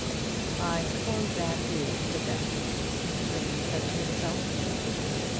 "I suppose that is the best," Mr. Raymond said to himself.